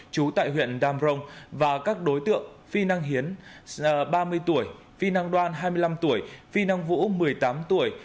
chú tại huyện đam rồng và các đối tượng phi năng hiến ba mươi tuổi phi năng đoan hai mươi năm tuổi phi năng vũ một mươi tám tuổi